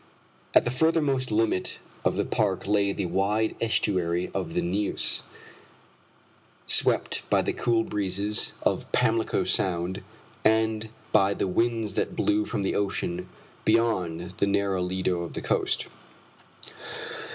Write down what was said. At the furthermost limit of the park lay the wide estuary of the Neuse, swept by the cool breezes of Pamlico Sound and by the winds that blew from the ocean beyond the narrow lido of the coast.